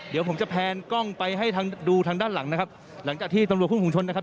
เดี๋ยวผมจะแพนกล้องไปให้ทางดูทางด้านหลังนะครับหลังจากที่ตำรวจคุมภูมิชนนะครับ